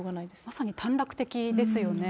まさに短絡的ですよね。